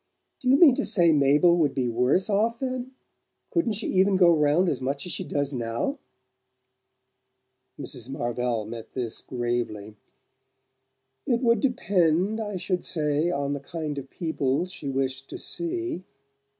"Do you mean to say Mabel would be worse off, then? Couldn't she even go round as much as she does now?" Mrs. Marvell met this gravely. "It would depend, I should say, on the kind of people she wished to see."